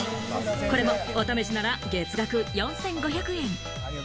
これもお試しなら月額４５００円。